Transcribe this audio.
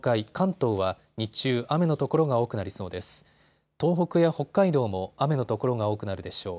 東北や北海道も雨の所が多くなるでしょう。